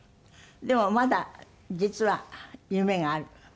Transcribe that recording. でもまだ実は夢がある？